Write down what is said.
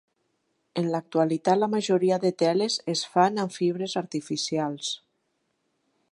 En l'actualitat la majoria de teles es fan amb fibres artificials.